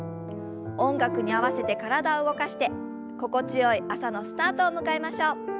音楽に合わせて体を動かして心地よい朝のスタートを迎えましょう。